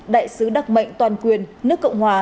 đại sứ đặc mệnh toàn quyền nước cộng hòa